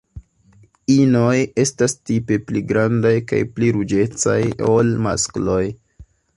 Inoj estas tipe pli grandaj kaj pli ruĝecaj ol maskloj.